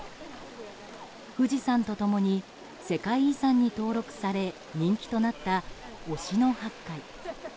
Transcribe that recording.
富士山と共に世界遺産に登録され人気となった忍野八海。